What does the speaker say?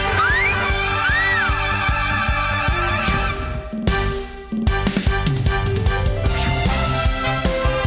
แม่บ้านประจำบาน